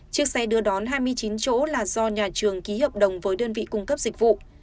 chiếc xe đưa đón hai mươi chín chỗ là do nhà trường ký hợp đồng với đơn vị cung cấp dịch vụ